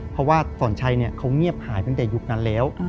เพราะว่าสอนชัยเขาเงียบหายตั้งแต่ยุคนั้นแล้ว